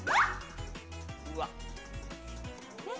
うわっ。